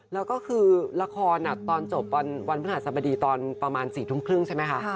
แล้วก็คือละครตอนจบวันพฤหาสมดีตอนประมาณ๔๓๐ใช่ไหมคะ